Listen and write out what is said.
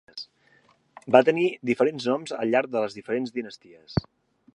Va tenir diferents noms al llarg de les diferents dinasties.